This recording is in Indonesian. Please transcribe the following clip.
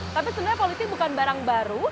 tapi sebenarnya polisi bukan barang baru